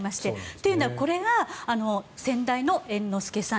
というのは、これが先代の猿之助さん